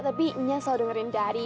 tapi nyas selalu dengerin dari